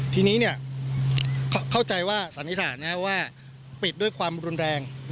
ทีนี้เข้าใจว่าสันนิษฐานว่าปิดด้วยความรุนแรง